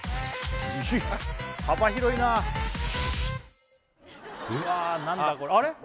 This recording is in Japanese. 幅広いなうわー何だこれあれっ？